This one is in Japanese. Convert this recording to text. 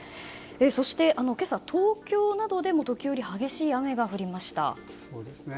そして今朝、東京などでも時折、激しい雨が降りました。